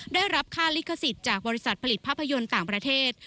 ได้รับค่าลิขสิทธิ์จากบริษัทผลิตภาพยนตร์ต่างประเทศ